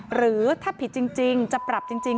หรือถ้าผิดจริงจะปรับจริง